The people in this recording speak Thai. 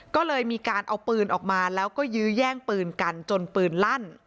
ก็เลยมีการเอาปืนออกมาแล้วก็ยื้อแย่งปืนกันจนปืนลั่น